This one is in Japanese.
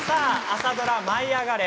朝ドラ「舞いあがれ！」